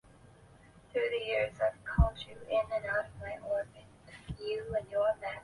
屋苑原本是私人参建的政府居者有其屋项目红湾半岛。